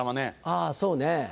ああそうねぇ